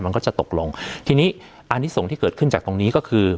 มันก็จะตกลงทีนี้อันนี้ส่งที่เกิดขึ้นจากตรงนี้ก็คือ